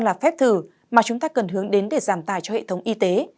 là phép thử mà chúng ta cần hướng đến để giảm tài cho hệ thống y tế